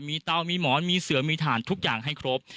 มีเตามีหมอนมีเสือมีฐานทุกอย่างให้ครบ